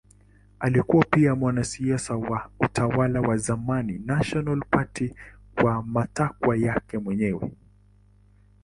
Alikuwa pia mwanasiasa wa utawala wa zamani National Party kwa matakwa yake mwenyewe.